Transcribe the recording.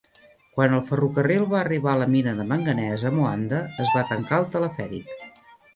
Quan el ferrocarril va arribar a la mina de manganès a Moanda, es va tancar el telefèric.